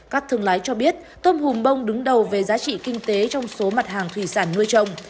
các thương lái cho biết tôm hùm bông đứng đầu về giá trị kinh tế trong số mặt hàng thủy sản nuôi trồng